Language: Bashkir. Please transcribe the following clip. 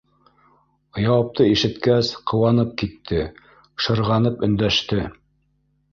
Яуапты ишеткәс, ҡыуанып китте, шырғанып өндәште: